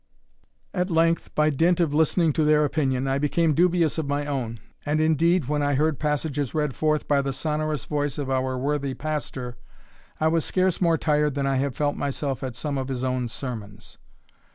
At length, by dint of listening to their opinion, I became dubious of my own; and, indeed, when I heard passages read forth by the sonorous voice of our worthy pastor, I was scarce more tired than I have felt myself at some of his own sermons.